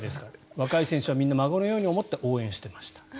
若い選手はみんな孫のように思って応援していました。